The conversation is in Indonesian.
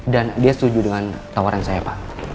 dan dia setuju dengan tawaran saya pak